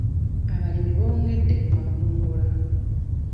Abalimi bongedde ku makungula.